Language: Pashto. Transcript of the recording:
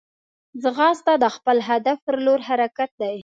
ځغاسته د خپل هدف پر لور حرکت دی